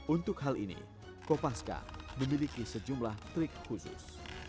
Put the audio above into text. untuk hal ini kopaska memiliki sejumlah trik khusus